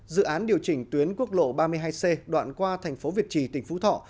dự án điều chỉnh tuyến quốc lộ ba mươi hai c đoạn qua thành phố việt trì tỉnh phú thọ